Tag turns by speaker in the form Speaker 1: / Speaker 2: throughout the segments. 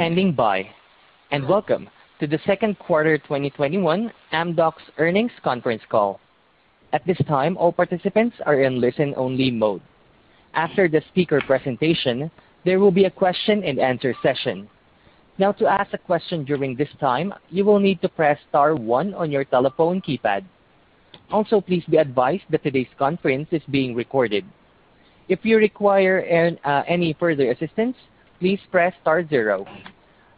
Speaker 1: Welcome to the second quarter 2021 Amdocs earnings conference call. At this time, all participants are in a listen-only mode. After the speaker's presentation, there will be a question and answer session. Now to ask a question a question during this time., you will need to press star one on your telephone keypad. Also please be advised that today's conference is being recorded. If you require any further assistance please press star zero.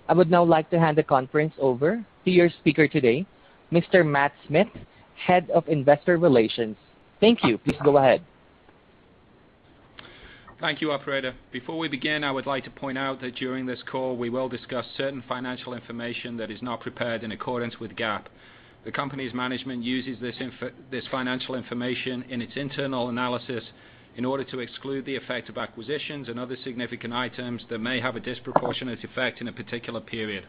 Speaker 1: I would now like to hand the conference over to your speaker today, Mr. Matt Smith, Head of Investor Relations. Thank you. Please go ahead.
Speaker 2: Thank you, operator. Before we begin, I would like to point out that during this call, we will discuss certain financial information that is not prepared in accordance with GAAP. The company's management uses this financial information in its internal analysis in order to exclude the effect of acquisitions and other significant items that may have a disproportionate effect in a particular period.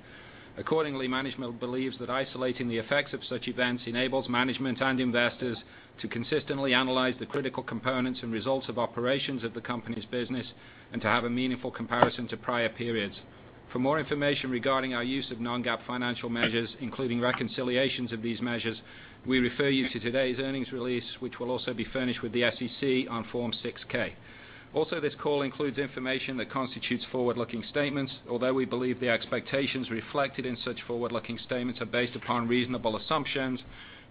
Speaker 2: Accordingly, management believes that isolating the effects of such events enables management and investors to consistently analyze the critical components and results of operations of the company's business and to have a meaningful comparison to prior periods. For more information regarding our use of non-GAAP financial measures, including reconciliations of these measures, we refer you to today's earnings release, which will also be furnished with the SEC on Form 6-K. Also, this call includes information that constitutes forward-looking statements. Although we believe the expectations reflected in such forward-looking statements are based upon reasonable assumptions,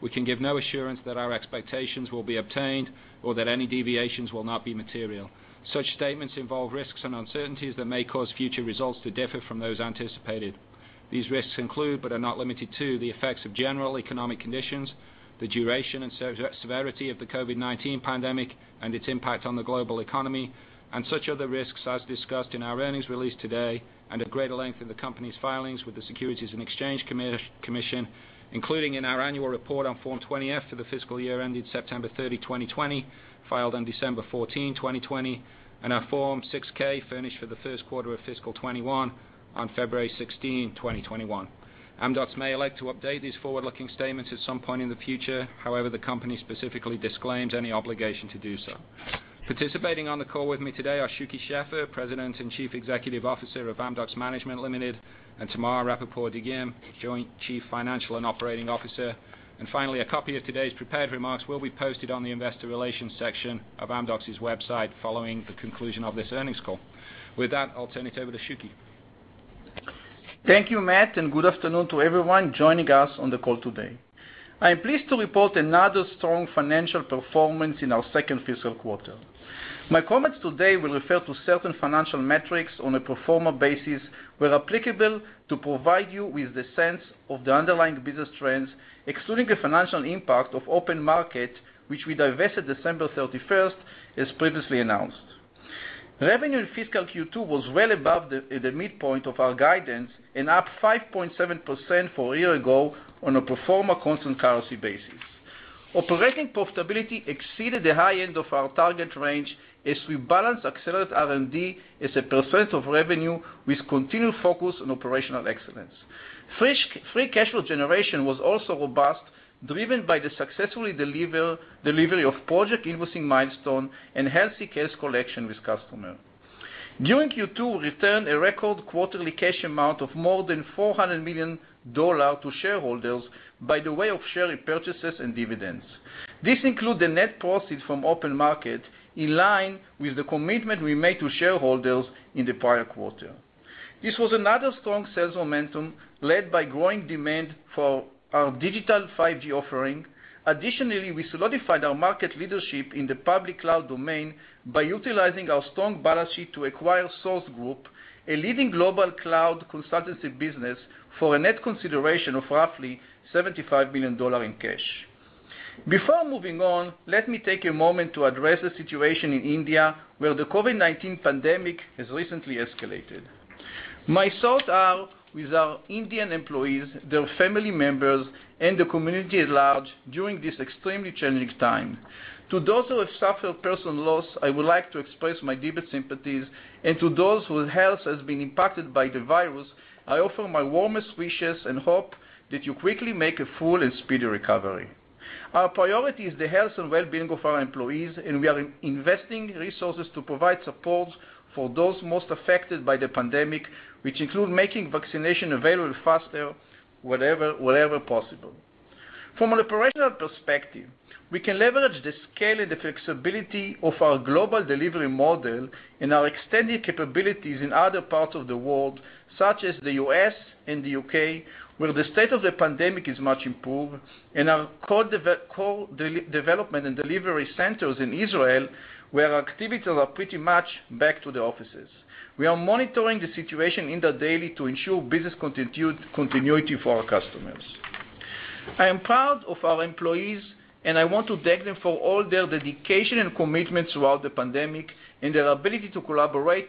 Speaker 2: we can give no assurance that our expectations will be obtained or that any deviations will not be material. Such statements involve risks and uncertainties that may cause future results to differ from those anticipated. These risks include, but are not limited to, the effects of general economic conditions, the duration and severity of the COVID-19 pandemic and its impact on the global economy, and such other risks as discussed in our earnings release today and at greater length in the company's filings with the Securities and Exchange Commission, including in our annual report on Form 20-F for the fiscal year ended September 30, 2020, filed on December 14, 2020, and our Form 6-K furnished for the first quarter of fiscal 2021 on February 16, 2021. Amdocs may elect to update these forward-looking statements at some point in the future. The company specifically disclaims any obligation to do so. Participating on the call with me today are Shuky Sheffer, President and Chief Executive Officer of Amdocs Management Limited, and Tamar Rapaport-Dagim, Joint Chief Financial and Operating Officer. Finally, a copy of today's prepared remarks will be posted on the investor relations section of Amdocs' website following the conclusion of this earnings call. With that, I'll turn it over to Shuky.
Speaker 3: Thank you, Matt, and good afternoon to everyone joining us on the call today. I am pleased to report another strong financial performance in our second fiscal quarter. My comments today will refer to certain financial metrics on a pro forma basis, where applicable, to provide you with the sense of the underlying business trends, excluding the financial impact of OpenMarket, which we divested December 31st, as previously announced. Revenue in fiscal Q2 was well above the midpoint of our guidance and up 5.7% from a year ago on a pro forma constant currency basis. Operating profitability exceeded the high end of our target range as we balanced accelerated R&D as a percent of revenue with continued focus on operational excellence. Free cash flow generation was also robust, driven by the successfully delivery of project invoicing milestone and healthy cash collection with customer. During Q2, we returned a record quarterly cash amount of more than $400 million to shareholders by the way of share repurchases and dividends. This includes the net proceeds from OpenMarket, in line with the commitment we made to shareholders in the prior quarter. This was another strong sales momentum led by growing demand for our digital 5G offering. Additionally, we solidified our market leadership in the public cloud domain by utilizing our strong balance sheet to acquire Sourced Group, a leading global cloud consultancy business, for a net consideration of roughly $75 million in cash. Before moving on, let me take a moment to address the situation in India, where the COVID-19 pandemic has recently escalated. My thoughts are with our Indian employees, their family members, and the community at large during this extremely challenging time. To those who have suffered personal loss, I would like to express my deepest sympathies, and to those whose health has been impacted by the virus, I offer my warmest wishes and hope that you quickly make a full and speedy recovery. Our priority is the health and well-being of our employees, and we are investing resources to provide support for those most affected by the pandemic, which include making vaccination available faster wherever possible. From an operational perspective, we can leverage the scale and the flexibility of our global delivery model and our extended capabilities in other parts of the world, such as the U.S. and the U.K., where the state of the pandemic is much improved, and our core development and delivery centers in Israel, where our activities are pretty much back to the offices. We are monitoring the situation in the daily to ensure business continuity for our customers. I am proud of our employees, and I want to thank them for all their dedication and commitment throughout the pandemic and their ability to collaborate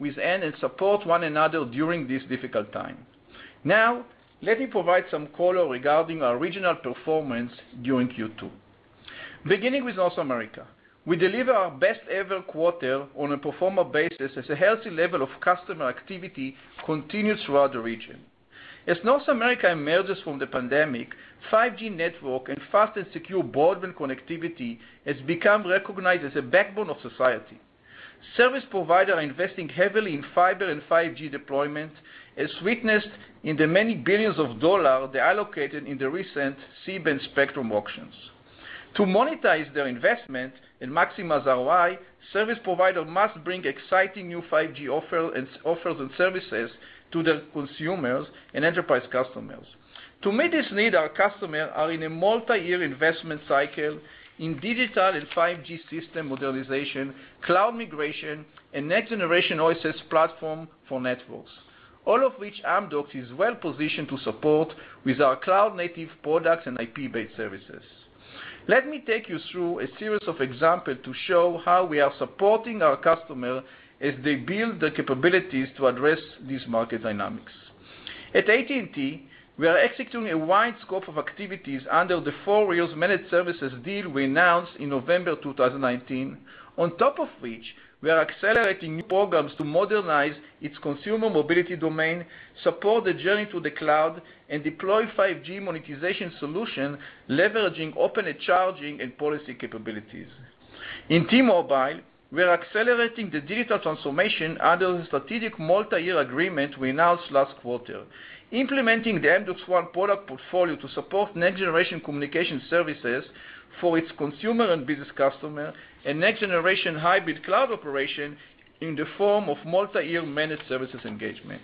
Speaker 3: with and support one another during this difficult time. Now, let me provide some color regarding our regional performance during Q2. Beginning with North America, we delivered our best ever quarter on a pro forma basis as a healthy level of customer activity continued throughout the region. As North America emerges from the pandemic, 5G network and fast and secure broadband connectivity has become recognized as a backbone of society. Service providers are investing heavily in fiber and 5G deployment, as witnessed in the many billions of dollars they allocated in the recent C-band spectrum auctions. To monetize their investment and maximize ROI, service providers must bring exciting new 5G offers and services to their consumers and enterprise customers. To meet this need, our customers are in a multi-year investment cycle in digital and 5G system modernization, cloud migration, and next-generation OSS platform for networks, all of which Amdocs is well-positioned to support with our cloud-native products and IP-based services. Let me take you through a series of examples to show how we are supporting our customers as they build the capabilities to address these market dynamics. At AT&T, we are executing a wide scope of activities under the four-year managed services deal we announced in November 2019. On top of which, we are accelerating new programs to modernize its consumer mobility domain, support the journey to the cloud, and deploy 5G monetization solution, leveraging open charging and policy capabilities. In T-Mobile, we're accelerating the digital transformation under the strategic multi-year agreement we announced last quarter, implementing the AmdocsONE product portfolio to support next-generation communication services for its consumer and business customer, and next-generation hybrid cloud operation in the form of multi-year managed services engagement.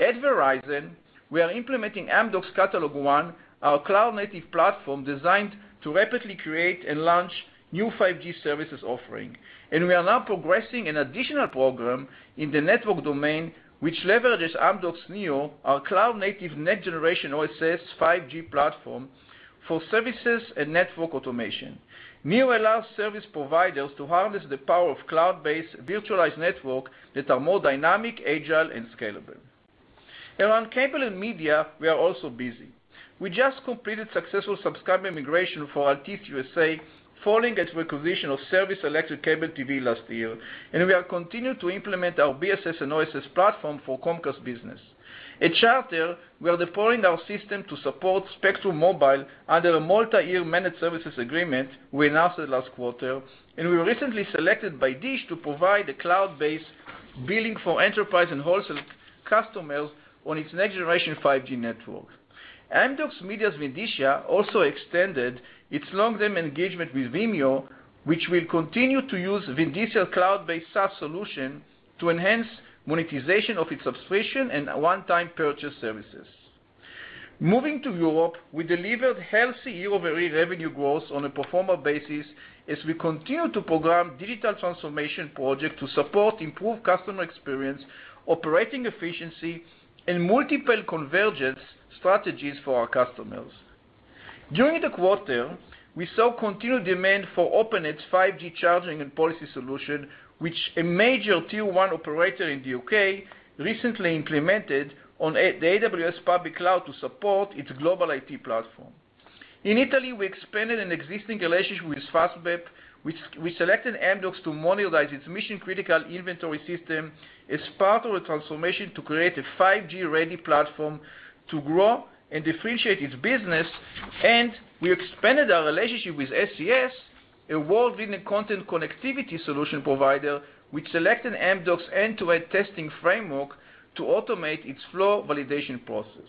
Speaker 3: At Verizon, we are implementing Amdocs CatalogONE, our cloud-native platform designed to rapidly create and launch new 5G services offering. We are now progressing an additional program in the network domain, which leverages Amdocs NEO, our cloud-native, next-generation OSS 5G platform for services and network automation. NEO allows service providers to harness the power of cloud-based virtualized network that are more dynamic, agile, and scalable. Around cable and media, we are also busy. We just completed successful subscriber migration for Altice USA, following its acquisition of Service Electric Cable TV last year. We are continuing to implement our BSS and OSS platform for Comcast business. At Charter, we are deploying our system to support Spectrum Mobile under a multi-year managed services agreement we announced last quarter. We were recently selected by Dish to provide a cloud-based billing for enterprise and wholesale customers on its next-generation 5G network. Amdocs Media's Vindicia also extended its long-term engagement with Vimeo, which will continue to use Vindicia cloud-based SaaS solution to enhance monetization of its subscription and one-time purchase services. Moving to Europe, we delivered healthy year-over-year revenue growth on a pro forma basis as we continue to program digital transformation project to support improved customer experience, operating efficiency, and multiple convergence strategies for our customers. During the quarter, we saw continued demand for Openet's 5G charging and policy solution, which a major Tier 1 operator in the U.K. recently implemented on the AWS public cloud to support its global IT platform. In Italy, we expanded an existing relationship with Fastweb, which selected Amdocs to modernize its mission-critical inventory system as part of a transformation to create a 5G-ready platform to grow and differentiate its business. We expanded our relationship with SES, a world-leading content connectivity solution provider, which selected Amdocs end-to-end testing framework to automate its flow validation process.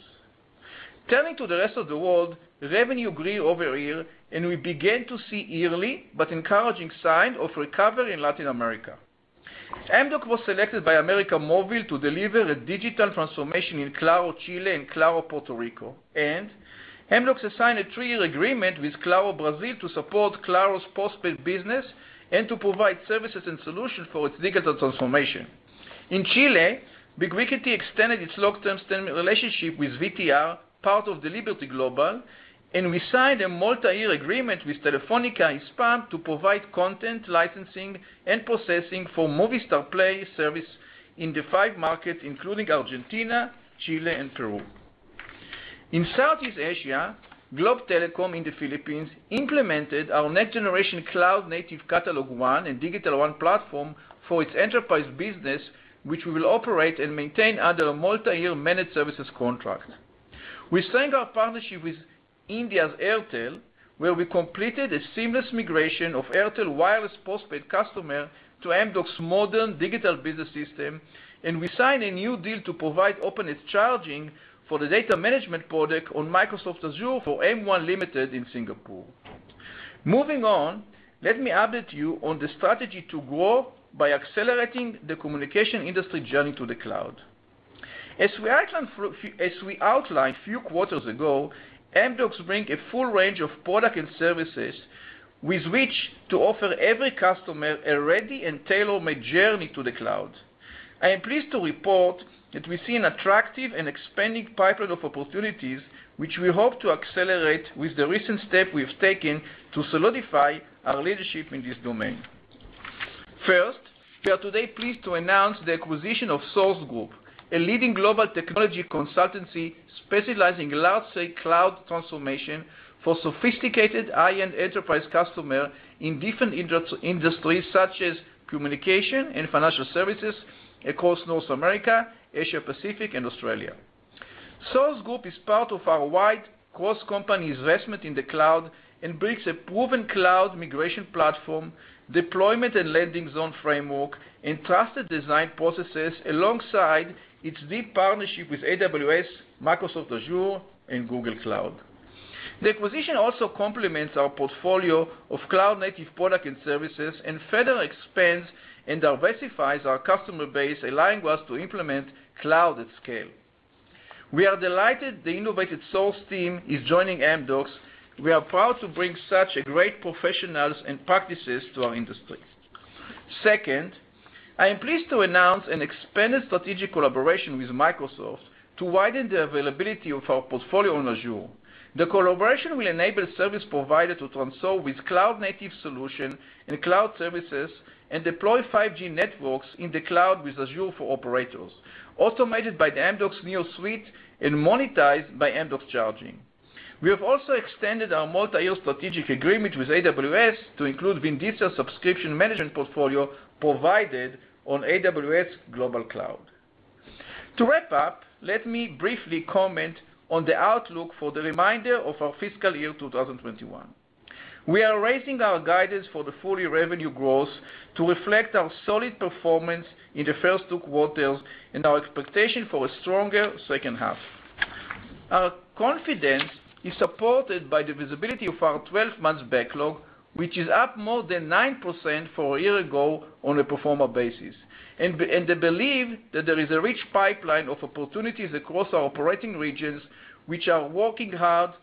Speaker 3: Turning to the rest of the world, revenue grew year-over-year, we began to see early but encouraging signs of recovery in Latin America. Amdocs was selected by América Móvil to deliver a digital transformation in Claro Chile and Claro Puerto Rico. Amdocs assigned a three-year agreement with Claro Brasil to support Claro's postpaid business and to provide services and solutions for its digital transformation. In Chile, Vubiquity extended its long-term relationship with VTR, part of Liberty Global, and we signed a multi-year agreement with Telefónica Hispam to provide content licensing and processing for Movistar Play service in the five markets, including Argentina, Chile, and Peru. In Southeast Asia, Globe Telecom in the Philippines implemented our next-generation cloud-native CatalogONE and DigitalONE platform for its enterprise business, which we will operate and maintain under a multi-year managed services contract. We strengthened our partnership with India's Airtel, where we completed a seamless migration of Airtel wireless postpaid customer to Amdocs' modern digital business system, and we signed a new deal to provide Openet's Charging for the data management product on Microsoft Azure for M1 Limited in Singapore. Moving on, let me update you on the strategy to grow by accelerating the communication industry journey to the cloud. As we outlined few quarters ago, Amdocs bring a full range of product and services with which to offer every customer a ready and tailor-made journey to the cloud. I am pleased to report that we see an attractive and expanding pipeline of opportunities, which we hope to accelerate with the recent step we've taken to solidify our leadership in this domain. First, we are today pleased to announce the acquisition of Sourced Group, a leading global technology consultancy specializing largely cloud transformation for sophisticated high-end enterprise customer in different industries such as communications and financial services across North America, Asia-Pacific, and Australia. Sourced Group is part of our wide cross-company investment in the cloud and brings a proven cloud migration platform, deployment and landing zone framework, and trusted design processes alongside its deep partnership with AWS, Microsoft Azure, and Google Cloud. The acquisition also complements our portfolio of cloud-native product and services and further expands and diversifies our customer base, allowing us to implement cloud at scale. We are delighted the innovative Sourced team is joining Amdocs. We are proud to bring such great professionals and practices to our industry. Second, I am pleased to announce an expanded strategic collaboration with Microsoft to widen the availability of our portfolio on Azure. The collaboration will enable service providers to transform with cloud-native solution and cloud services and deploy 5G networks in the cloud with Azure for Operators, automated by the Amdocs NEO suite and monetized by Amdocs Charging. We have also extended our multi-year strategic agreement with AWS to include Vindicia subscription management portfolio provided on AWS Global Cloud. To wrap up, let me briefly comment on the outlook for the remainder of our fiscal year 2021. We are raising our guidance for the full-year revenue growth to reflect our solid performance in the first two quarters and our expectation for a stronger second half. Our confidence is supported by the visibility of our 12-month backlog, which is up more than 9% from a year ago on a pro forma basis, and the belief that there is a rich pipeline of opportunities across our operating regions, which we are working hard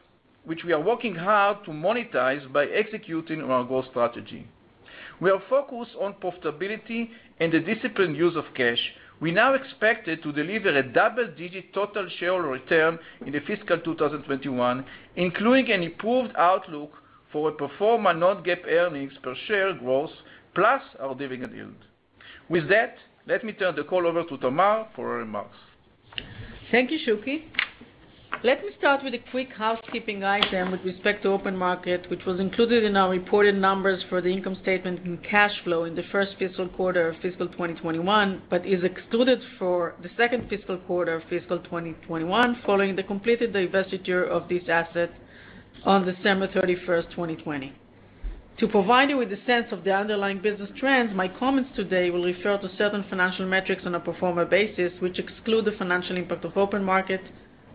Speaker 3: to monetize by executing on our growth strategy. We are focused on profitability and the disciplined use of cash. We now expect to deliver a double-digit total shareholder return in fiscal 2021, including an improved outlook for a pro forma non-GAAP earnings per share growth, plus our dividend yield. With that, let me turn the call over to Tamar for her remarks.
Speaker 4: Thank you, Shuky. Let me start with a quick housekeeping item with respect to OpenMarket, which was included in our reported numbers for the income statement and cash flow in the first fiscal quarter of fiscal 2021, but is excluded for the second fiscal quarter of fiscal 2021 following the completed divestiture of this asset on December 31, 2020. To provide you with a sense of the underlying business trends, my comments today will refer to certain financial metrics on a pro forma basis, which exclude the financial impact of OpenMarket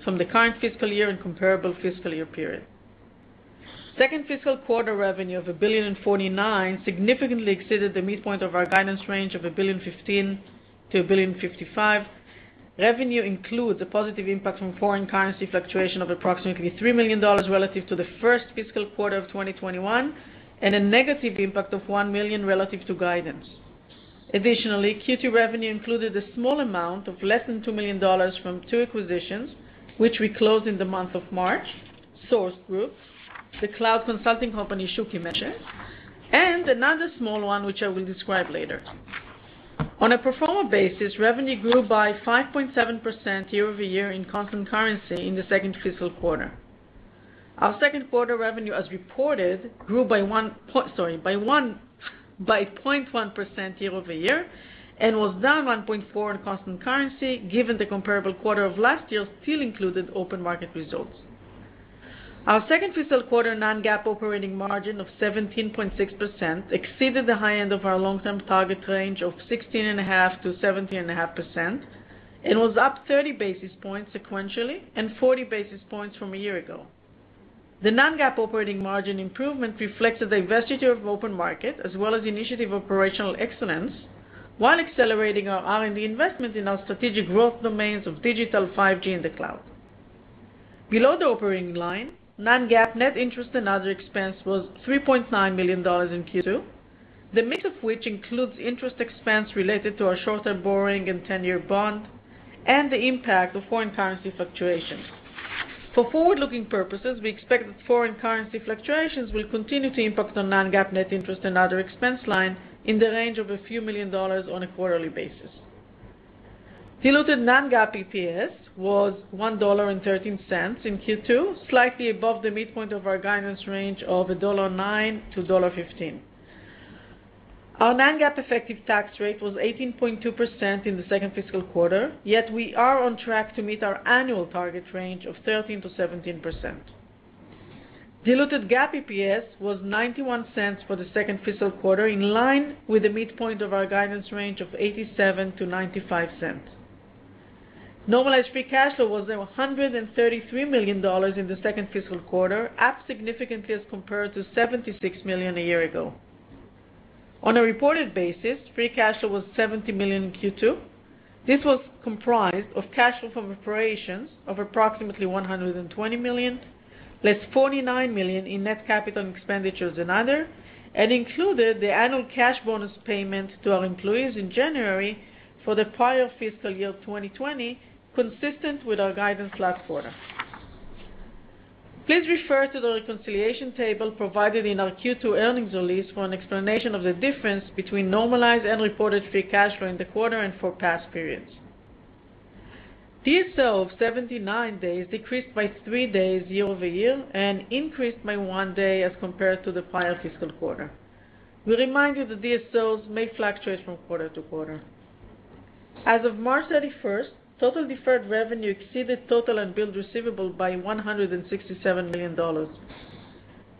Speaker 4: from the current fiscal year and comparable fiscal year period. Second fiscal quarter revenue of $1.049 billion significantly exceeded the midpoint of our guidance range of $1.015 billion-$1.055 billion. Revenue includes a positive impact from foreign currency fluctuation of approximately $3 million relative to the first fiscal quarter of 2021, and a negative impact of $1 million relative to guidance. Q2 revenue included a small amount of less than $2 million from two acquisitions, which we closed in the month of March, Sourced Group, the cloud consulting company Shuky mentioned, and another small one, which I will describe later. On a pro forma basis, revenue grew by 5.7% year-over-year in constant currency in the second fiscal quarter. Our second quarter revenue, as reported, grew by 0.1% year-over-year and was down 1.4% in constant currency, given the comparable quarter of last year still included OpenMarket results. Our second fiscal quarter non-GAAP operating margin of 17.6% exceeded the high end of our long-term target range of 16.5%-17.5%, and was up 30 basis points sequentially and 40 basis points from a year ago. The non-GAAP operating margin improvement reflected the divestiture of OpenMarket, as well as the initiative of operational excellence, while accelerating our R&D investment in our strategic growth domains of digital, 5G, and the cloud. Below the operating line, non-GAAP net interest and other expense was $3.9 million in Q2, the mix of which includes interest expense related to our short-term borrowing and 10-year bond and the impact of foreign currency fluctuations. For forward-looking purposes, we expect that foreign currency fluctuations will continue to impact our non-GAAP net interest and other expense line in the range of a few million dollars on a quarterly basis. Diluted non-GAAP EPS was $1.13 in Q2, slightly above the midpoint of our guidance range of $1.09-$1.15. Our non-GAAP effective tax rate was 18.2% in the second fiscal quarter, yet we are on track to meet our annual target range of 13%-17%. Diluted GAAP EPS was $0.91 for the second fiscal quarter, in line with the midpoint of our guidance range of $0.87-$0.95. Normalized free cash flow was $133 million in the second fiscal quarter, up significantly as compared to $76 million a year ago. On a reported basis, free cash flow was $70 million in Q2. This was comprised of cash flow from operations of approximately $120 million, less $49 million in net capital expenditures and other, and included the annual cash bonus payment to our employees in January for the prior fiscal year 2020, consistent with our guidance last quarter. Please refer to the reconciliation table provided in our Q2 earnings release for an explanation of the difference between normalized and reported free cash flow in the quarter and for past periods. DSO of 79 days decreased by three days year-over-year and increased by one day as compared to the prior fiscal quarter. We remind you that DSOs may fluctuate from quarter-to-quarter. As of March 31st, total deferred revenue exceeded total unbilled receivable by $167 million.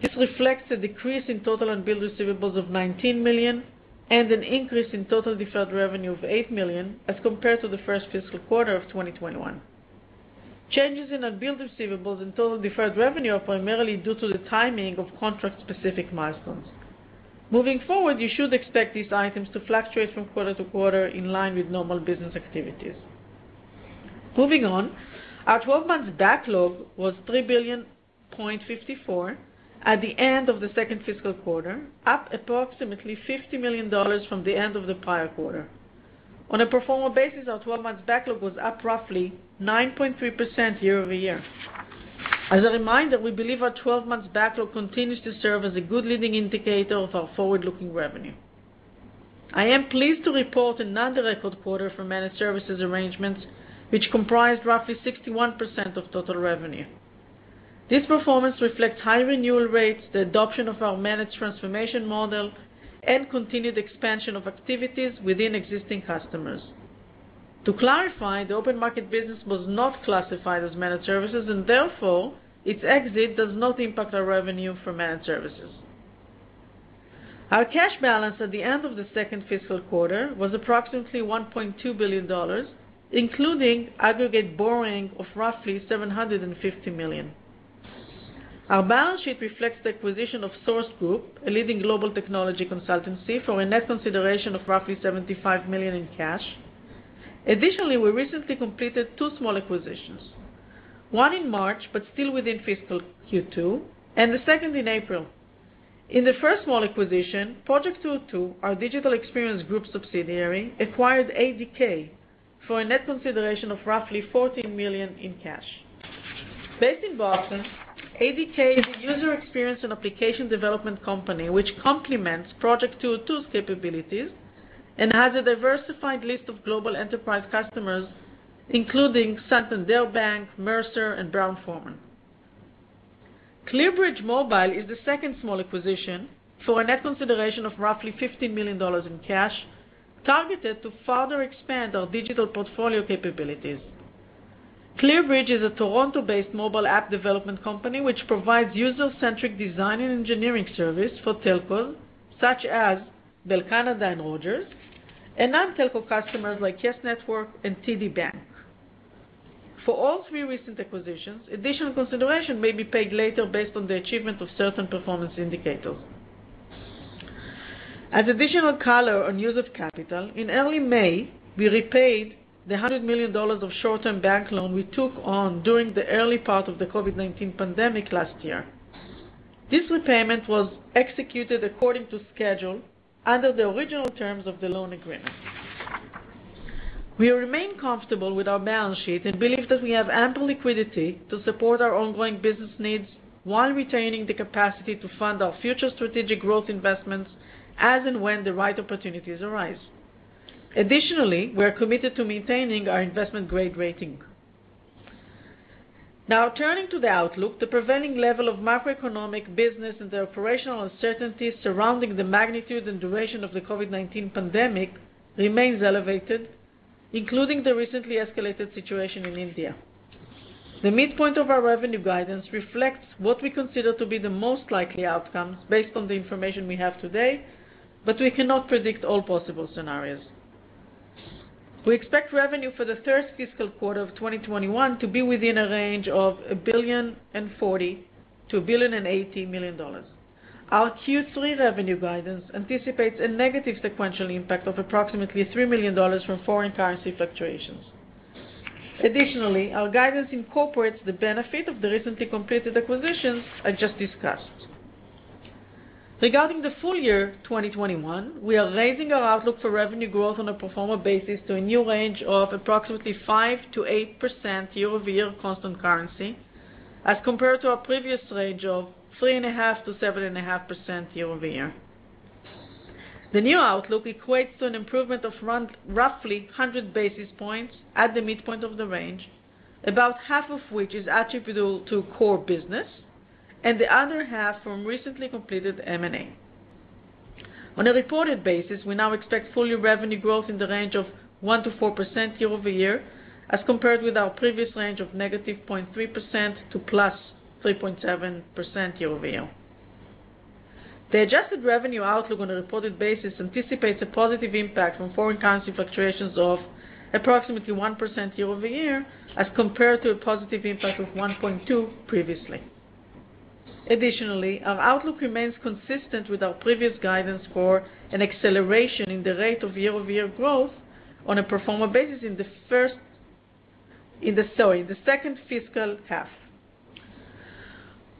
Speaker 4: This reflects a decrease in total unbilled receivables of $19 million and an increase in total deferred revenue of $8 million as compared to the first fiscal quarter of 2021. Changes in unbilled receivables and total deferred revenue are primarily due to the timing of contract-specific milestones. Moving forward, you should expect these items to fluctuate from quarter-to-quarter in line with normal business activities. Moving on, our 12-month backlog was $3.54 billion at the end of the second fiscal quarter, up approximately $50 million from the end of the prior quarter. On a pro forma basis, our 12-months backlog was up roughly 9.3% year-over-year. As a reminder, we believe our 12-months backlog continues to serve as a good leading indicator of our forward-looking revenue. I am pleased to report another record quarter for managed services arrangements, which comprised roughly 61% of total revenue. This performance reflects high renewal rates, the adoption of our managed transformation model, and continued expansion of activities within existing customers. To clarify, the OpenMarket business was not classified as managed services, and therefore, its exit does not impact our revenue for managed services. Our cash balance at the end of the second fiscal quarter was approximately $1.2 billion, including aggregate borrowing of roughly $750 million. Our balance sheet reflects the acquisition of Sourced Group, a leading global technology consultancy, for a net consideration of roughly $75 million in cash. Additionally, we recently completed two small acquisitions, one in March, but still within fiscal Q2, and the second in April. In the first small acquisition, projekt202, our digital experience group subsidiary, acquired ADK for a net consideration of roughly $14 million in cash. Based in Boston, ADK is a user experience and application development company which complements projekt202's capabilities and has a diversified list of global enterprise customers, including Santander Bank, Mercer, and Brown-Forman. Clearbridge Mobile is the second small acquisition, for a net consideration of roughly $15 million in cash, targeted to further expand our digital portfolio capabilities. Clearbridge is a Toronto-based mobile app development company which provides user-centric design and engineering service for telcos, such as Bell Canada and Rogers, and non-telco customers like YES Network and TD Bank. For all three recent acquisitions, additional consideration may be paid later based on the achievement of certain performance indicators. As additional color on use of capital, in early May, we repaid the $100 million of short-term bank loan we took on during the early part of the COVID-19 pandemic last year. This repayment was executed according to schedule under the original terms of the loan agreement. We remain comfortable with our balance sheet and believe that we have ample liquidity to support our ongoing business needs while retaining the capacity to fund our future strategic growth investments as and when the right opportunities arise. Additionally, we're committed to maintaining our investment-grade rating. Now turning to the outlook, the prevailing level of macroeconomic business and the operational uncertainties surrounding the magnitude and duration of the COVID-19 pandemic remains elevated, including the recently escalated situation in India. The midpoint of our revenue guidance reflects what we consider to be the most likely outcome based on the information we have today, but we cannot predict all possible scenarios. We expect revenue for the first fiscal quarter of 2021 to be within a range of $1.04 billion-$1.08 billion. Our Q3 revenue guidance anticipates a negative sequential impact of approximately $3 million from foreign currency fluctuations. Additionally, our guidance incorporates the benefit of the recently completed acquisitions I just discussed. Regarding the full year 2021, we are raising our outlook for revenue growth on a pro forma basis to a new range of approximately 5%-8% year-over-year constant currency, as compared to our previous range of 3.5%-7.5% year-over-year. The new outlook equates to an improvement of roughly 100 basis points at the midpoint of the range, about half of which is attributable to core business and the other half from recently completed M&A. On a reported basis, we now expect full-year revenue growth in the range of 1%-4% year-over-year, as compared with our previous range of -0.3% to +3.7% year-over-year. The adjusted revenue outlook on a reported basis anticipates a positive impact from foreign currency fluctuations of approximately 1% year-over-year as compared to a positive impact of 1.2% previously. Additionally, our outlook remains consistent with our previous guidance for an acceleration in the rate of year-over-year growth on a pro forma basis in the second fiscal half.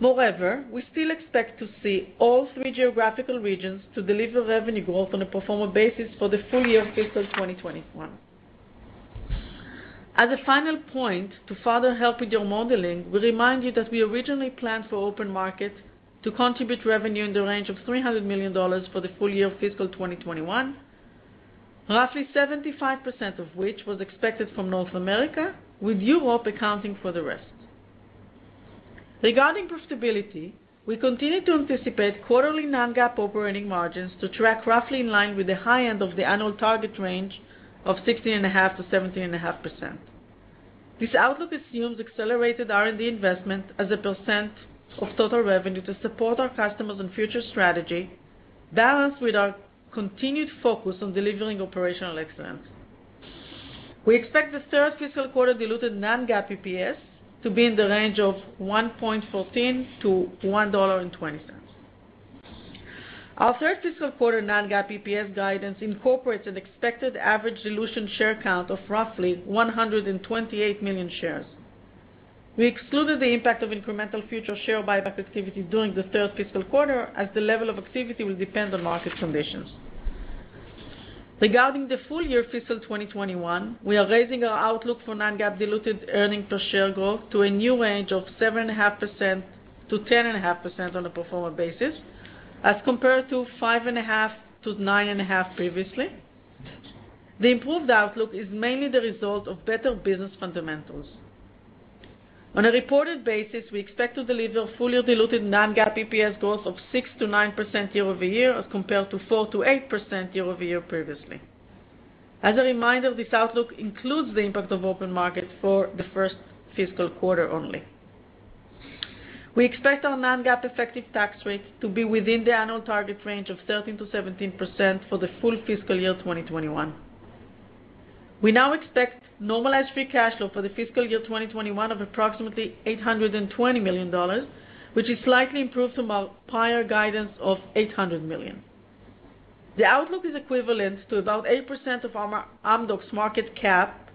Speaker 4: We still expect to see all three geographical regions to deliver revenue growth on a pro forma basis for the full year of fiscal 2021. As a final point, to further help with your modeling, we remind you that we originally planned for OpenMarket to contribute revenue in the range of $300 million for the full year of fiscal 2021, roughly 75% of which was expected from North America, with Europe accounting for the rest. Regarding profitability, we continue to anticipate quarterly non-GAAP operating margins to track roughly in line with the high end of the annual target range of 16.5%-17.5%. This outlook assumes accelerated R&D investment as a % of total revenue to support our customers and future strategy, balanced with our continued focus on delivering operational excellence. We expect the third fiscal quarter diluted non-GAAP EPS to be in the range of $1.14-$1.20. Our third fiscal quarter non-GAAP EPS guidance incorporates an expected average dilution share count of roughly 128 million shares. We excluded the impact of incremental future share buyback activity during the third fiscal quarter, as the level of activity will depend on market conditions. Regarding the full year fiscal 2021, we are raising our outlook for non-GAAP diluted earnings per share growth to a new range of 7.5%-10.5% on a pro forma basis, as compared to 5.5%-9.5% previously. The improved outlook is mainly the result of better business fundamentals. On a reported basis, we expect to deliver full-year diluted non-GAAP EPS growth of 6%-9% year-over-year, as compared to 4%-8% year-over-year previously. As a reminder, this outlook includes the impact of OpenMarket for the first fiscal quarter only. We expect our non-GAAP effective tax rate to be within the annual target range of 13%-17% for the full fiscal year 2021. We now expect normalized free cash flow for the fiscal year 2021 of approximately $820 million, which is slightly improved from our prior guidance of $800 million. The outlook is equivalent to about 8% of Amdocs market cap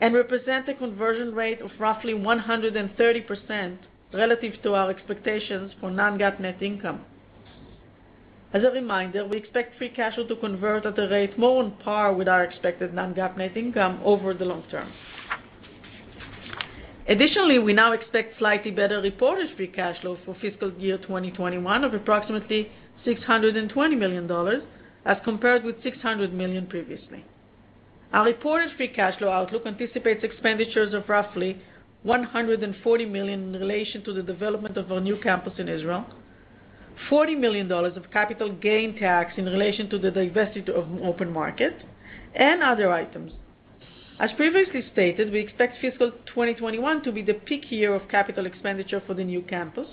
Speaker 4: and represent a conversion rate of roughly 130% relative to our expectations for non-GAAP net income. As a reminder, we expect free cash flow to convert at a rate more on par with our expected non-GAAP net income over the long term. Additionally, we now expect slightly better reported free cash flow for fiscal year 2021 of approximately $620 million, as compared with $600 million previously. Our reported free cash flow outlook anticipates expenditures of roughly $140 million in relation to the development of our new campus in Israel, $40 million of capital gain tax in relation to the divestiture of OpenMarket, and other items. As previously stated, we expect fiscal 2021 to be the peak year of capital expenditure for the new campus.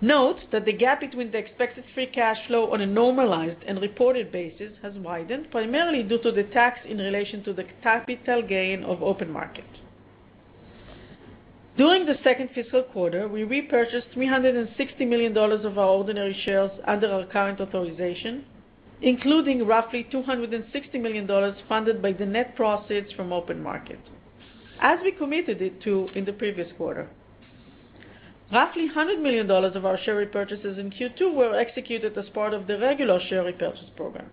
Speaker 4: Note that the gap between the expected free cash flow on a normalized and reported basis has widened, primarily due to the tax in relation to the capital gain of OpenMarket. During the second fiscal quarter, we repurchased $360 million of our ordinary shares under our current authorization, including roughly $260 million funded by the net proceeds from OpenMarket, as we committed it to in the previous quarter. Roughly $100 million of our share repurchases in Q2 were executed as part of the regular share repurchase program.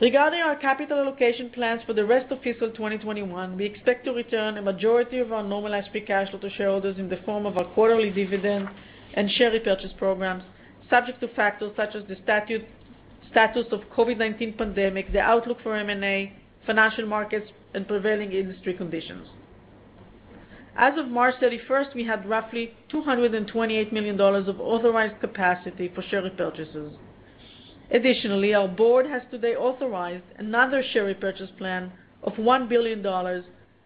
Speaker 4: Regarding our capital allocation plans for the rest of fiscal 2021, we expect to return a majority of our normalized free cash flow to shareholders in the form of our quarterly dividend and share repurchase programs, subject to factors such as the status of COVID-19 pandemic, the outlook for M&A, financial markets, and prevailing industry conditions. As of March 31st, we had roughly $228 million of authorized capacity for share repurchases. Additionally, our board has today authorized another share repurchase plan of $1 billion,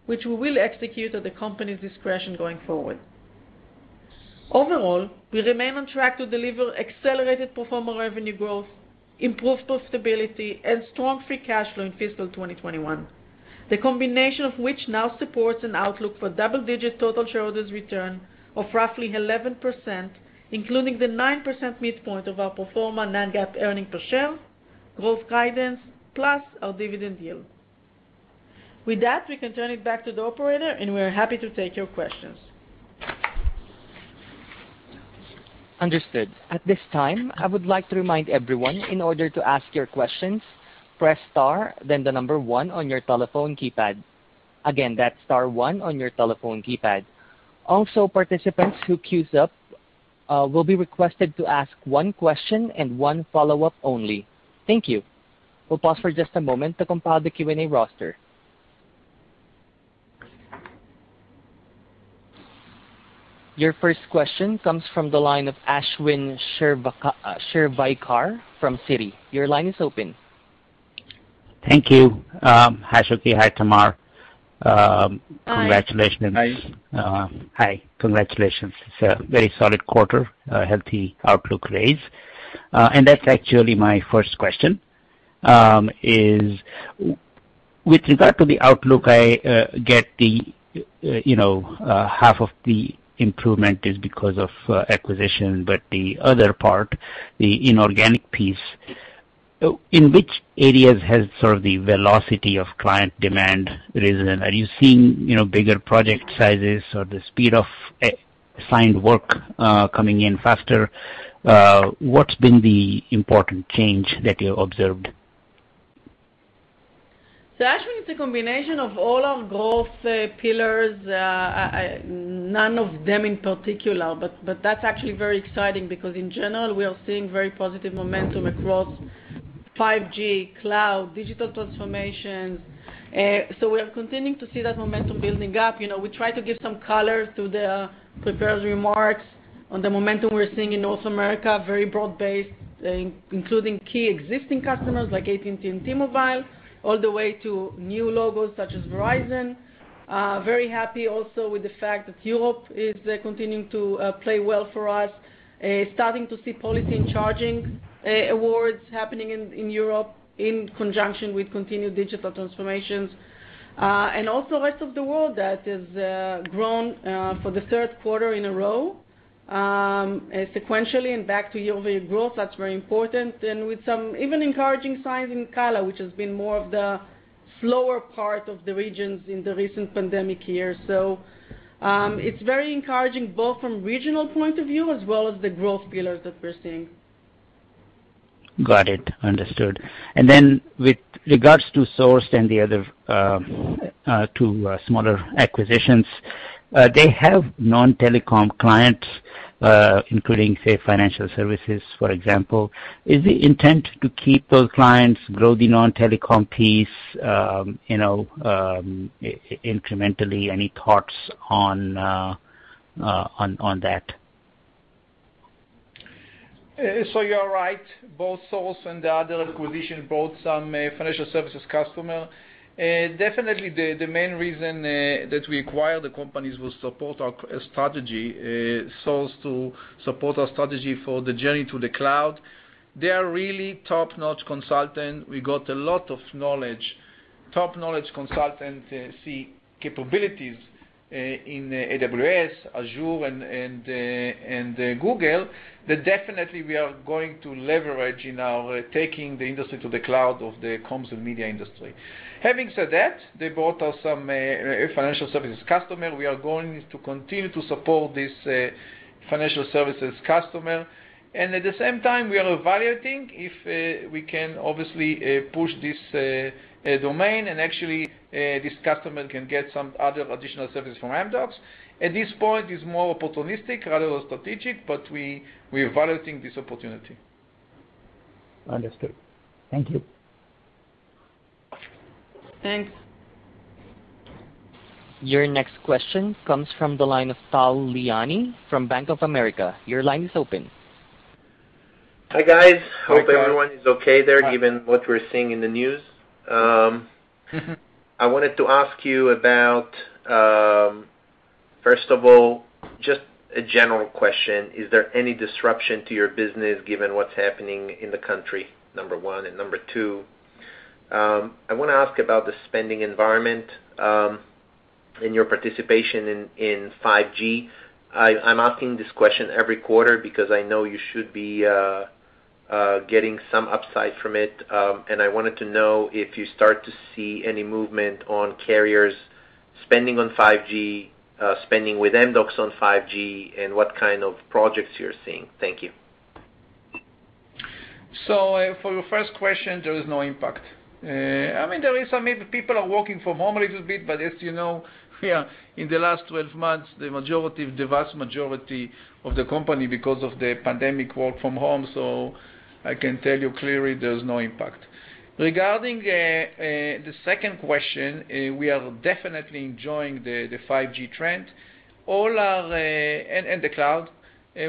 Speaker 4: which we will execute at the company's discretion going forward. Overall, we remain on track to deliver accelerated pro forma revenue growth, improved profitability, and strong free cash flow in fiscal 2021. The combination of which now supports an outlook for double-digit total shareholders return of roughly 11%, including the 9% midpoint of our pro forma non-GAAP earnings per share, growth guidance, plus our dividend yield. With that, we can turn it back to the operator, and we are happy to take your questions.
Speaker 1: Understood. At this time, I would like to remind everyone, in order to ask your questions, press star then the number one on your telephone keypad. Again, that's star one on your telephone keypad. Also, participants who queue up will be requested to ask one question and one follow-up only. Thank you. We'll pause for just a moment to compile the Q&A roster. Your first question comes from the line of Ashwin Shirvaikar from Citi. Your line is open.
Speaker 5: Thank you. Hi, Shuky. Hi, Tamar.
Speaker 4: Hi.
Speaker 3: Hi.
Speaker 5: Hi. Congratulations. It's a very solid quarter, a healthy outlook raise. That's actually my first question. With regard to the outlook, I get the half of the improvement is because of acquisition, but the other part, the inorganic piece, in which areas has sort of the velocity of client demand risen? Are you seeing bigger project sizes or the speed of assigned work coming in faster? What's been the important change that you observed?
Speaker 4: Ashwin, it's a combination of all our growth pillars. None of them in particular, but that's actually very exciting because in general, we are seeing very positive momentum across 5G, cloud, digital transformation. We are continuing to see that momentum building up. We try to give some color to the prepared remarks on the momentum we're seeing in North America, very broad-based, including key existing customers like AT&T and T-Mobile, all the way to new logos such as Verizon. Very happy also with the fact that Europe is continuing to play well for us. Starting to see policy and charging awards happening in Europe in conjunction with continued digital transformations. Rest of the world, that has grown for the third quarter in a row, sequentially, and back to yearly growth. That's very important. With some even encouraging signs in CALA, which has been more of the slower part of the regions in the recent pandemic year. It's very encouraging, both from regional point of view as well as the growth pillars that we're seeing.
Speaker 5: Got it. Understood. Then with regards to Sourced and the other two smaller acquisitions, they have non-telecom clients, including, say, financial services, for example. Is the intent to keep those clients, grow the non-telecom piece incrementally? Any thoughts on that?
Speaker 3: You are right. Both Sourced and the other acquisition brought some financial services customer. Definitely, the main reason that we acquire the companies will support our strategy, Sourced to support our strategy for the journey to the cloud. They are really top-notch consultant. We got a lot of top knowledge consultant capabilities in AWS, Azure, and Google Cloud, that definitely we are going to leverage in our taking the industry to the cloud of the comms and media industry. Having said that, they brought us some financial services customer. At the same time, we are evaluating if we can obviously push this domain and actually this customer can get some other additional service from Amdocs. At this point, it's more opportunistic rather than strategic, we're evaluating this opportunity.
Speaker 5: Understood. Thank you.
Speaker 4: Thanks.
Speaker 1: Your next question comes from the line of Tal Liani from Bank of America. Your line is open.
Speaker 6: Hi, guys.
Speaker 3: Hi, Tal.
Speaker 6: Hope everyone is okay there, given what we're seeing in the news. I wanted to ask you about, first of all, just a general question, is there any disruption to your business given what's happening in the country? Number one, and number two, I want to ask about the spending environment, and your participation in 5G. I'm asking this question every quarter because I know you should be getting some upside from it, and I wanted to know if you start to see any movement on carriers spending on 5G, spending with Amdocs on 5G, and what kind of projects you're seeing. Thank you.
Speaker 3: For your first question, there is no impact. There is some, maybe people are working from home a little bit, but as you know, yeah, in the last 12 months, the vast majority of the company, because of the pandemic, work from home. I can tell you clearly there's no impact. Regarding the second question, we are definitely enjoying the 5G trend and the cloud,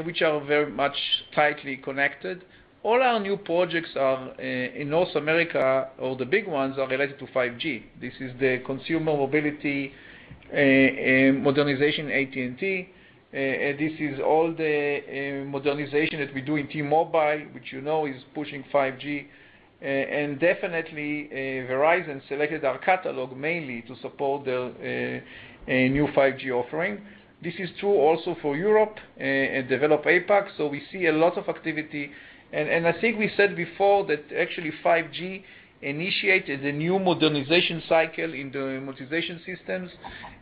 Speaker 3: which are very much tightly connected. All our new projects in North America, all the big ones, are related to 5G. This is the consumer mobility modernization AT&T. This is all the modernization that we do in T-Mobile, which you know is pushing 5G. Definitely, Verizon selected our catalog mainly to support their new 5G offering. This is true also for Europe and developed APAC, we see a lot of activity. I think we said before that actually 5G initiated a new modernization cycle in the monetization systems,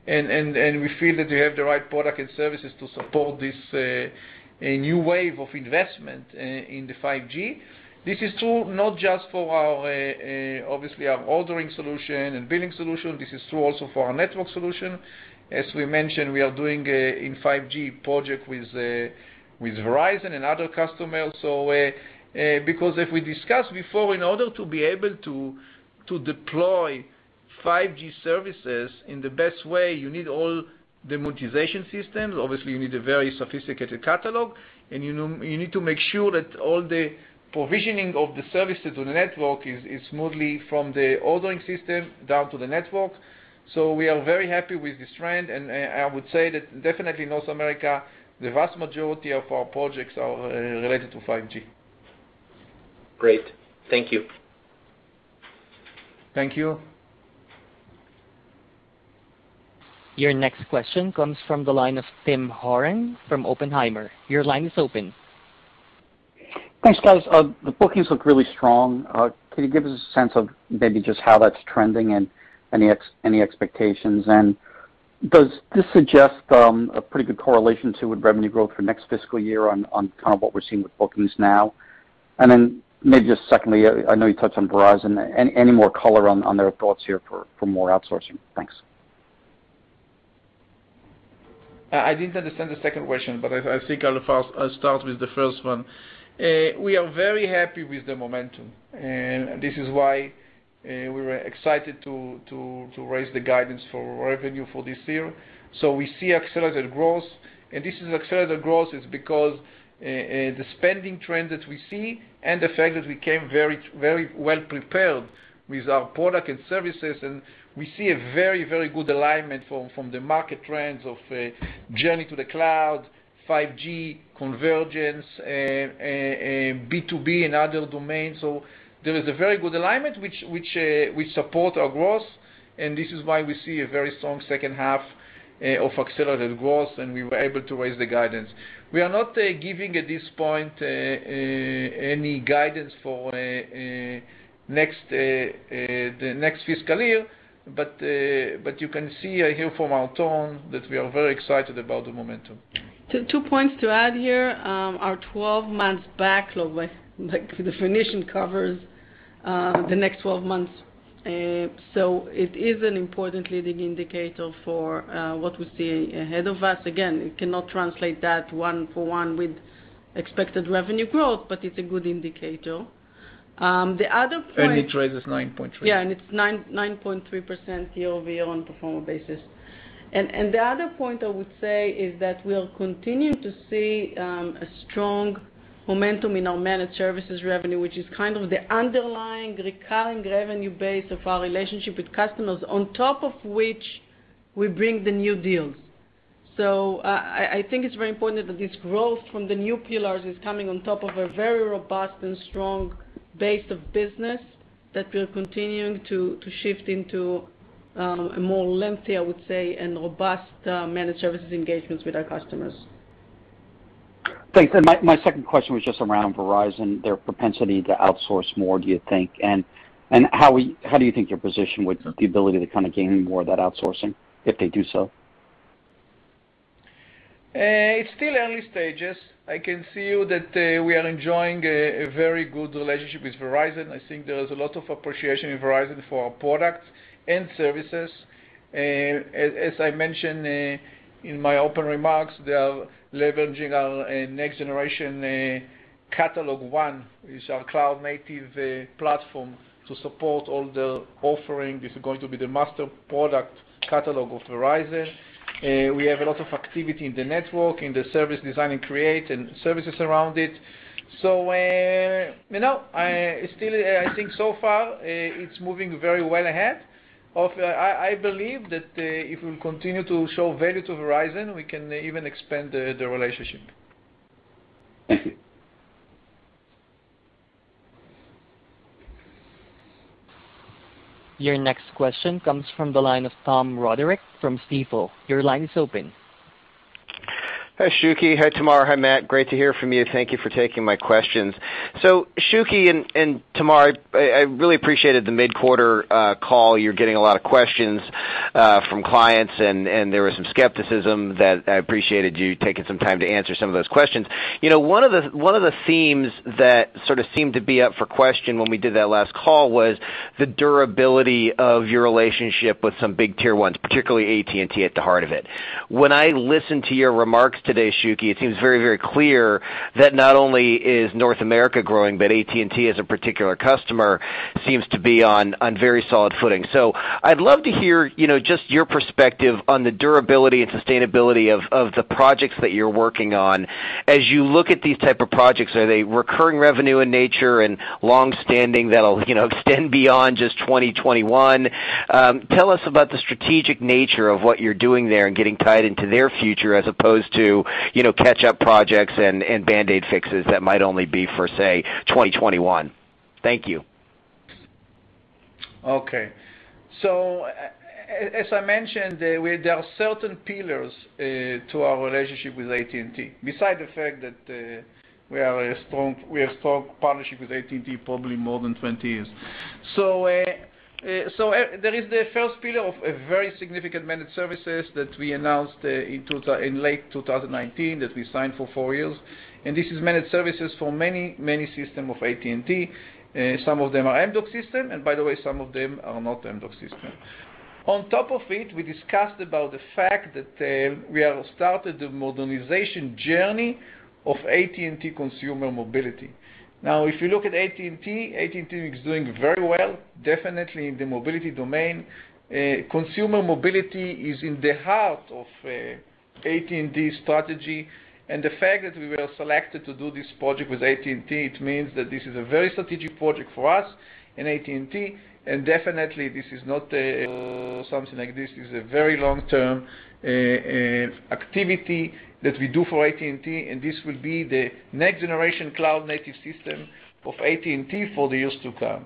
Speaker 3: and we feel that we have the right product and services to support this new wave of investment in the 5G. This is true not just for obviously our ordering solution and billing solution. This is true also for our network solution. As we mentioned, we are doing a 5G project with Verizon and other customers also. As we discussed before, in order to be able to deploy 5G services in the best way, you need all the monetization systems. Obviously, you need a very sophisticated catalog, and you need to make sure that all the provisioning of the services to the network is smoothly from the ordering system down to the network. We are very happy with this trend, and I would say that definitely North America, the vast majority of our projects are related to 5G.
Speaker 6: Great. Thank you.
Speaker 3: Thank you.
Speaker 1: Your next question comes from the line of Tim Horan from Oppenheimer. Your line is open.
Speaker 7: Thanks, guys. The bookings look really strong. Can you give us a sense of maybe just how that's trending and any expectations? Does this suggest a pretty good correlation to what revenue growth for next fiscal year on what we're seeing with bookings now? Maybe just secondly, I know you touched on Verizon. Any more color on their thoughts here for more outsourcing? Thanks.
Speaker 3: I didn't understand the second question, but I think I'll start with the first one. We are very happy with the momentum, and this is why we were excited to raise the guidance for revenue for this year. We see accelerated growth, and this is accelerated growth is because the spending trend that we see and the fact that we came very well-prepared with our product and services, and we see a very good alignment from the market trends of journey to the cloud, 5G, convergence, B2B, and other domains. There is a very good alignment, which support our growth, and this is why we see a very strong second half of accelerated growth, and we were able to raise the guidance. We are not giving, at this point, any guidance for the next fiscal year, but you can see here from our tone that we are very excited about the momentum.
Speaker 4: Two points to add here. Our 12 months backlog, the definition covers the next 12 months. It is an important leading indicator for what we see ahead of us. Again, it cannot translate that one for one with expected revenue growth, but it's a good indicator. The other point.
Speaker 3: It raises 9.3.
Speaker 4: It's 9.3% year-over-year on pro forma basis. The other point I would say is that we'll continue to see a strong momentum in our managed services revenue, which is kind of the underlying recurring revenue base of our relationship with customers, on top of which we bring the new deals. I think it's very important that this growth from the new pillars is coming on top of a very robust and strong base of business that we're continuing to shift into a more lengthy, I would say, and robust managed services engagements with our customers.
Speaker 7: Thanks. My second question was just around Verizon, their propensity to outsource more, do you think? How do you think your position with the ability to kind of gain more of that outsourcing if they do so?
Speaker 3: It's still early stages. I can see you that we are enjoying a very good relationship with Verizon. I think there is a lot of appreciation in Verizon for our products and services. As I mentioned in my opening remarks, they are leveraging our next generation CatalogONE, is our cloud-native platform to support all the offering. This is going to be the master product catalog of Verizon. We have a lot of activity in the network, in the service design and create, and services around it. I think so far, it's moving very well. I believe that if we continue to show value to Verizon, we can even expand the relationship.
Speaker 1: Your next question comes from the line of Tom Roderick from Stifel. Your line is open.
Speaker 8: Hi, Shuky. Hi, Tamar. Hi, Matt. Great to hear from you. Thank you for taking my questions. Shuky and Tamar, I really appreciated the mid-quarter call. You're getting a lot of questions from clients, and there was some skepticism that I appreciated you taking some time to answer some of those questions. One of the themes that sort of seemed to be up for question when we did that last call was the durability of your relationship with some big tier ones, particularly AT&T at the heart of it. When I listened to your remarks today, Shuky, it seems very, very clear that not only is North America growing, but AT&T as a particular customer seems to be on very solid footing. I'd love to hear just your perspective on the durability and sustainability of the projects that you're working on. As you look at these type of projects, are they recurring revenue in nature and longstanding that'll extend beyond just 2021? Tell us about the strategic nature of what you're doing there and getting tied into their future as opposed to catch-up projects and band-aid fixes that might only be for, say, 2021. Thank you.
Speaker 3: Okay. As I mentioned, there are certain pillars to our relationship with AT&T. Beside the fact that we have strong partnership with AT&T probably more than 20 years. There is the first pillar of a very significant managed services that we announced in late 2019 that we signed for four years, and this is managed services for many system of AT&T. Some of them are Amdocs system, and by the way, some of them are not Amdocs system. On top of it, we discussed about the fact that we have started the modernization journey of AT&T consumer mobility. Now, if you look at AT&T, AT&T is doing very well, definitely in the mobility domain. Consumer mobility is in the heart of AT&T strategy, and the fact that we were selected to do this project with AT&T, it means that this is a very strategic project for us and AT&T, and definitely this is not something like this. This is a very long-term activity that we do for AT&T, and this will be the next generation cloud native system of AT&T for the years to come.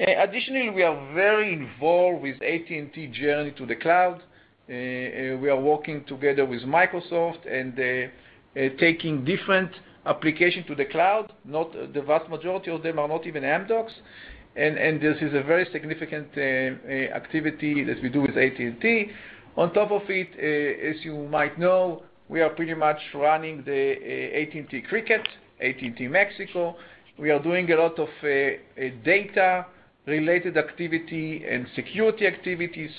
Speaker 3: Additionally, we are very involved with AT&T journey to the cloud. We are working together with Microsoft and taking different application to the cloud, the vast majority of them are not even Amdocs. This is a very significant activity that we do with AT&T. On top of it, as you might know, we are pretty much running the AT&T Cricket, AT&T Mexico. We are doing a lot of data related activity and security activity.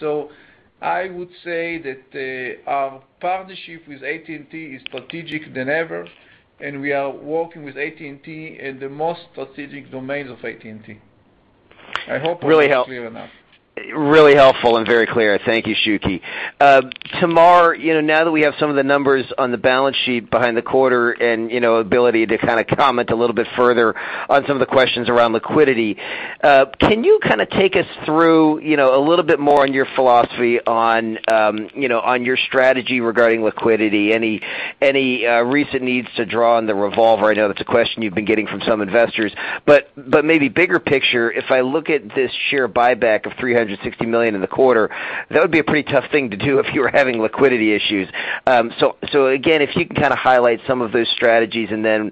Speaker 3: I would say that our partnership with AT&T is strategic than ever, and we are working with AT&T in the most strategic domains of AT&T. I hope I was clear enough.
Speaker 8: Really helpful and very clear. Thank you, Shuky. Tamar, now that we have some of the numbers on the balance sheet behind the quarter and ability to comment a little bit further on some of the questions around liquidity, can you take us through a little bit more on your philosophy on your strategy regarding liquidity? Any recent needs to draw on the revolver? I know that's a question you've been getting from some investors, but maybe bigger picture, if I look at this share buyback of $360 million in the quarter, that would be a pretty tough thing to do if you were having liquidity issues. Again, if you can highlight some of those strategies and then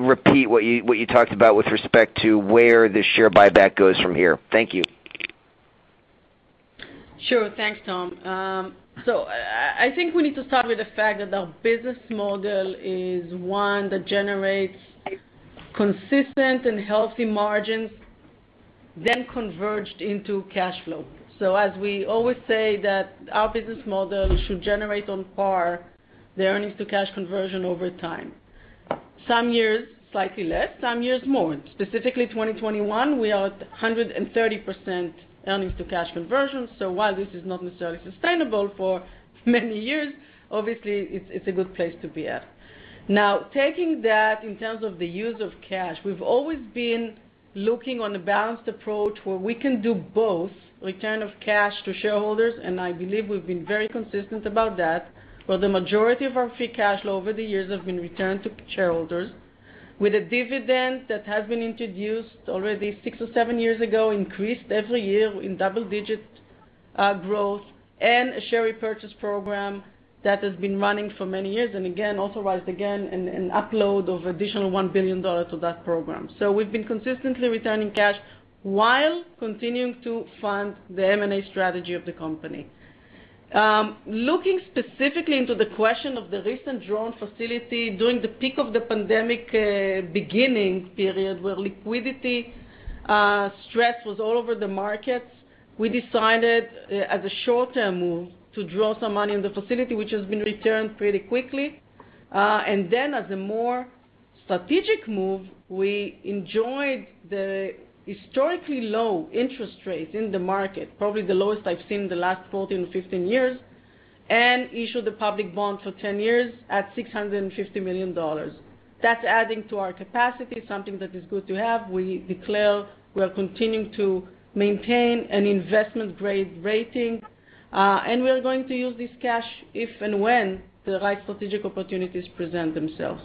Speaker 8: repeat what you talked about with respect to where the share buyback goes from here. Thank you.
Speaker 4: Sure. Thanks, Tom. I think we need to start with the fact that our business model is one that generates consistent and healthy margins, then converged into cash flow. As we always say that our business model should generate on par the earnings to cash conversion over time. Some years slightly less, some years more. Specifically 2021, we are at 130% earnings to cash conversion. While this is not necessarily sustainable for many years, obviously it's a good place to be at. Taking that in terms of the use of cash, we've always been looking on a balanced approach where we can do both return of cash to shareholders, and I believe we've been very consistent about that, where the majority of our free cash flow over the years have been returned to shareholders with a dividend that has been introduced already six or seven years ago, increased every year in double-digit growth, and a share repurchase program that has been running for many years. Again, authorized again, upload of additional $1 billion to that program. We've been consistently returning cash while continuing to fund the M&A strategy of the company. Looking specifically into the question of the recent drawn facility during the peak of the pandemic beginning period, where liquidity stress was all over the markets, we decided as a short-term move to draw some money in the facility, which has been returned pretty quickly. As a more strategic move, we enjoyed the historically low interest rates in the market, probably the lowest I've seen in the last 14 or 15 years, and issued a public bond for 10 years at $650 million. That's adding to our capacity, something that is good to have. We declare we are continuing to maintain an investment-grade rating, and we are going to use this cash if and when the right strategic opportunities present themselves.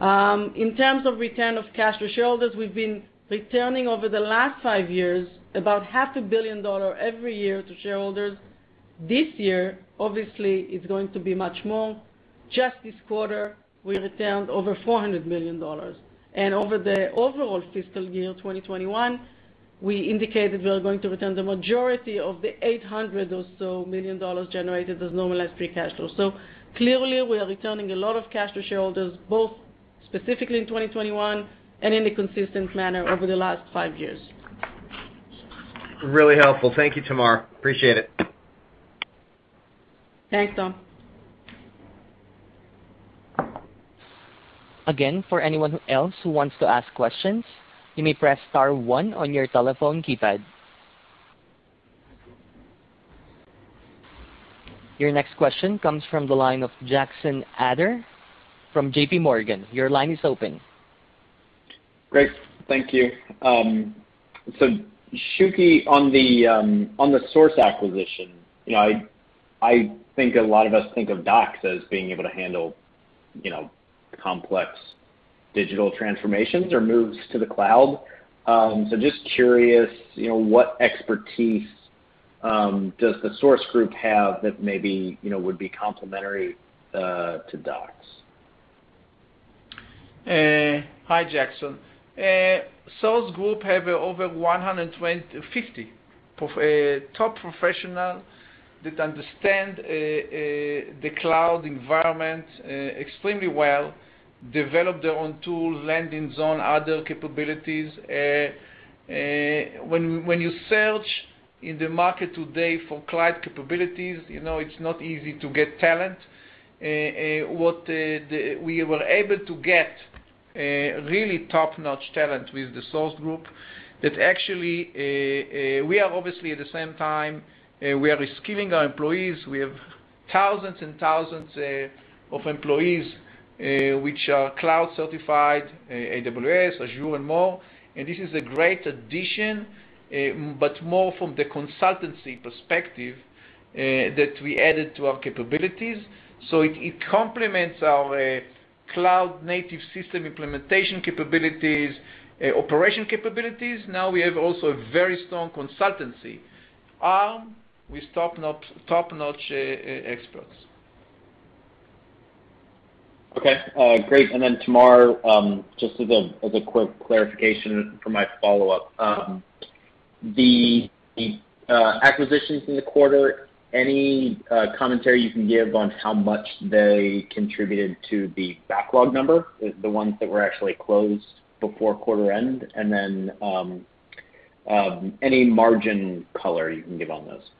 Speaker 4: In terms of return of cash to shareholders, we've been returning over the last five years, about half a billion dollar every year to shareholders. This year, obviously, it's going to be much more. Just this quarter, we returned over $400 million. Over the overall fiscal year 2021, we indicated we are going to return the majority of the $800 or so million generated as normalized free cash flow. Clearly, we are returning a lot of cash to shareholders, both specifically in 2021 and in a consistent manner over the last five years.
Speaker 8: Really helpful. Thank you, Tamar. Appreciate it.
Speaker 4: Thanks, Tom.
Speaker 1: Again, for anyone who else who wants to ask questions, you may press star one on your telephone keypad. Your next question comes from the line of Jackson Ader from JPMorgan. Your line is open.
Speaker 9: Great. Thank you. Shuky, on the Sourced acquisition, I think a lot of us think of Amdocs as being able to handle complex digital transformations or moves to the cloud. Just curious, what expertise does the Sourced Group have that maybe would be complementary to Amdocs?
Speaker 3: Hi, Jackson. Sourced Group have over 150 top professional that understand the cloud environment extremely well, develop their own tools, landing zone, other capabilities. When you search in the market today for cloud capabilities, it's not easy to get talent. We were able to get really top-notch talent with the Sourced Group. Actually, we are obviously at the same time, we are reskilling our employees. We have thousands and thousands of employees, which are cloud certified, AWS, Azure, and more, and this is a great addition, but more from the consultancy perspective that we added to our capabilities. It complements our cloud native system implementation capabilities, operation capabilities. Now we have also a very strong consultancy arm with top-notch experts.
Speaker 9: Okay, great. Tamar, just as a quick clarification for my follow-up. The acquisitions in the quarter, any commentary you can give on how much they contributed to the backlog number, the ones that were actually closed before quarter end? Any margin color you can give on those?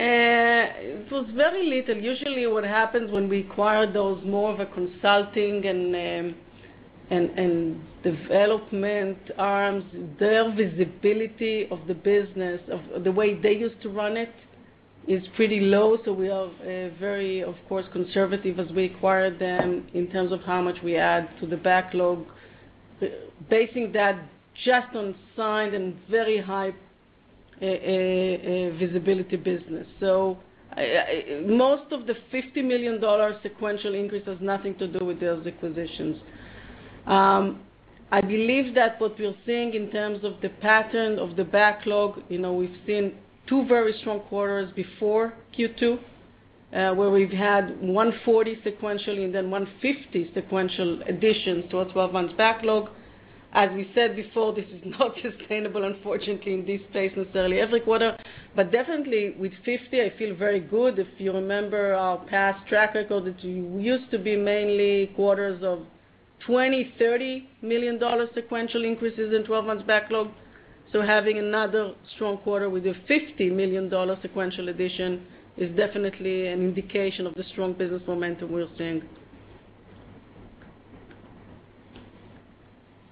Speaker 4: It was very little. Usually what happens when we acquire those more of a consulting and development arms, their visibility of the business, of the way they used to run it, is pretty low. We are very, of course, conservative as we acquire them in terms of how much we add to the backlog, basing that just on signed and very high visibility business. Most of the $50 million sequential increase has nothing to do with those acquisitions. I believe that what we're seeing in terms of the pattern of the backlog, we've seen two very strong quarters before Q2, where we've had $140 million sequentially and then $150 million sequential additions to our 12-months backlog. As we said before, this is not sustainable, unfortunately, in this pace necessarily every quarter. Definitely with $50 million, I feel very good. If you remember our past track record, it used to be mainly quarters of $20 million, $30 million sequential increases in 12-months backlog. Having another strong quarter with a $50 million sequential addition is definitely an indication of the strong business momentum we're seeing.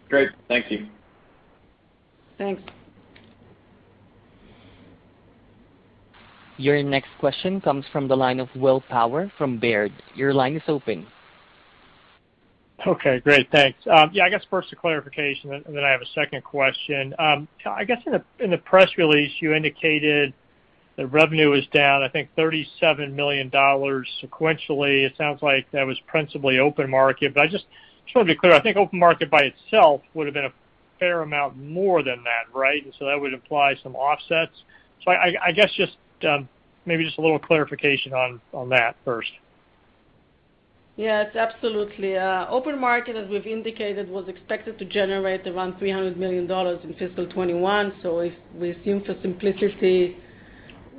Speaker 9: Great. Thank you.
Speaker 4: Thanks.
Speaker 1: Your next question comes from the line of Will Power from Baird. Your line is open.
Speaker 10: Okay, great. Thanks. I guess first a clarification, and then I have a second question. I guess in the press release, you indicated that revenue is down, I think, $37 million sequentially. It sounds like that was principally OpenMarket, but I just want to be clear. I think OpenMarket by itself would've been a fair amount more than that, right? That would imply some offsets. I guess maybe just a little clarification on that first.
Speaker 4: Yes, absolutely. OpenMarket, as we've indicated, was expected to generate around $300 million in fiscal 2021. If we assume for simplicity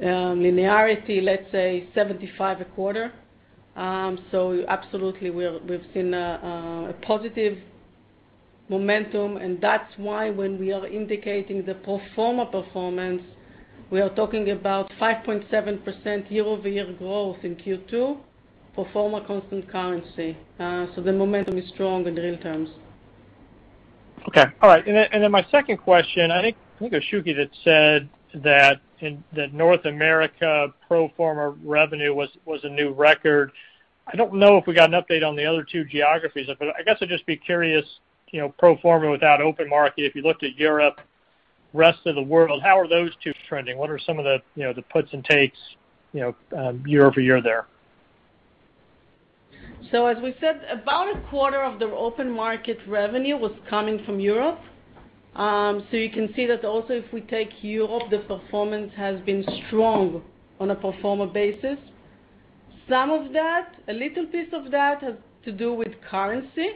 Speaker 4: linearity, let's say $75 a quarter. Absolutely, we've seen a positive momentum, and that's why when we are indicating the pro forma performance, we are talking about 5.7% year-over-year growth in Q2, pro forma constant currency. The momentum is strong in real terms.
Speaker 10: Okay. All right. My second question, I think it was Shuky that said that North America pro forma revenue was a new record. I don't know if we got an update on the other two geographies. I guess I'd just be curious, pro forma, without OpenMarket, if you looked at Europe, rest of the world, how are those two trending? What are some of the puts and takes year-over-year there?
Speaker 4: As we said, about a quarter of the OpenMarket revenue was coming from Europe. You can see that also if we take Europe, the performance has been strong on a pro forma basis. Some of that, a little piece of that, has to do with currency.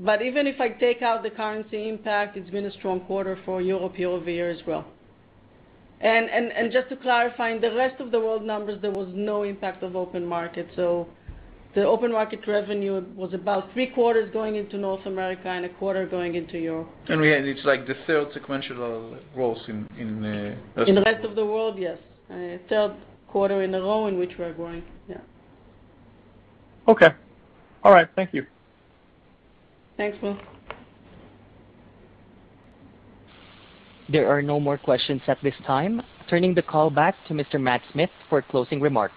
Speaker 4: Even if I take out the currency impact, it's been a strong quarter for Europe year-over-year as well. Just to clarify, in the rest of the world numbers, there was no impact of OpenMarket. The OpenMarket revenue was about three quarters going into North America and a quarter going into Europe.
Speaker 10: It's like the third sequential growth.
Speaker 4: In the rest of the world, yes. Third quarter in a row in which we are growing. Yeah.
Speaker 10: Okay. All right. Thank you.
Speaker 4: Thanks, Will.
Speaker 1: There are no more questions at this time. Turning the call back to Mr. Matt Smith for closing remarks.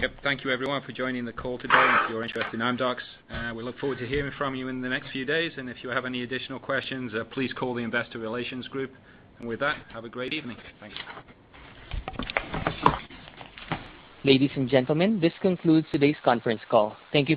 Speaker 2: Yep. Thank you, everyone, for joining the call today and for your interest in Amdocs. We look forward to hearing from you in the next few days. If you have any additional questions, please call the investor relations group. With that, have a great evening. Thanks.
Speaker 1: Ladies and gentlemen, this concludes today's conference call. Thank you for